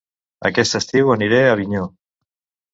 Aquest estiu aniré a Avinyó